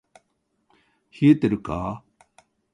冷えてるか～